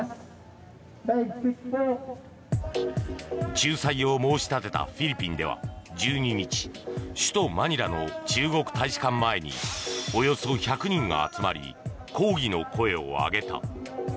仲裁を申し立てたフィリピンでは１２日首都マニラの中国大使館前におよそ１００人が集まり抗議の声を上げた。